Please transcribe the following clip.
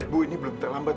bu ini belum terlambat